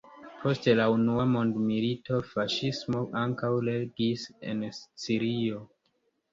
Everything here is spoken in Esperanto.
Post la Unua mondmilito, faŝismo ankaŭ regis en Sicilio.